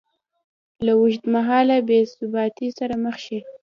له اوږدمهاله بېثباتۍ سره مخ شي